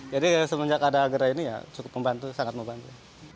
jadi semenjak ada gerai ini ya cukup membantu sangat membantu